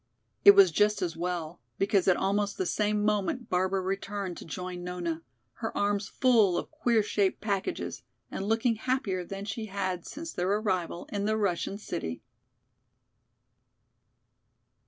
It was just as well, because at almost the same moment Barbara returned to join Nona, her arms full of queer shaped packages, and looking happier than she had since their arrival in the Russian city.